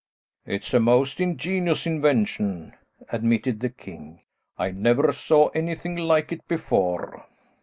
"It is a most ingenious invention," admitted the king. "I never saw anything like it before."